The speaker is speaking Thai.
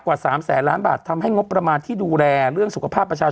กว่า๓แสนล้านบาททำให้งบประมาณที่ดูแลเรื่องสุขภาพประชาชน